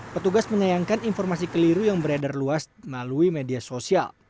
petugas menyayangkan informasi keliru yang beredar luas melalui media sosial